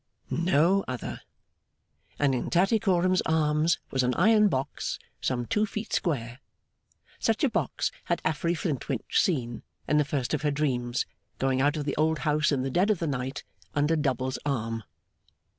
No other. And in Tattycoram's arms was an iron box some two feet square. Such a box had Affery Flintwinch seen, in the first of her dreams, going out of the old house in the dead of the night under Double's arm.